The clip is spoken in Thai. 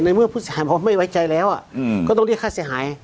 เมื่อผู้เสียหายบอกไม่ไว้ใจแล้วก็ต้องเรียกค่าเสียหาย